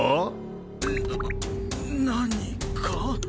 な何か？